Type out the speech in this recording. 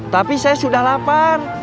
tapi saya sudah lapar